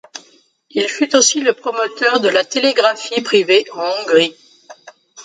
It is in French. Il fut aussi le promoteur de la télégraphie privée en Hongrie.